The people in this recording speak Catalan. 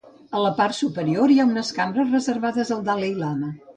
A la part superior hi ha unes cambres reservades al dalai-lama.